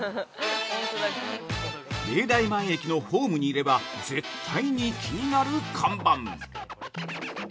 ◆明大前駅のホームにいれば絶対に気になる看板！